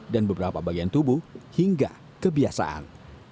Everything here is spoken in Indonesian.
dan beberapa bagian tubuh hingga kebiasaan